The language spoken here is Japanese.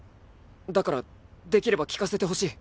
だからできれば聞かせてほしい。